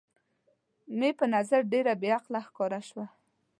مې په نظر ډېره بې عقله ښکاره شول.